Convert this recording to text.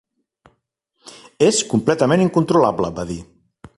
"És completament incontrolable" va dir.